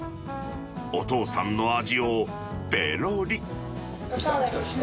お父さんの味をぺろり。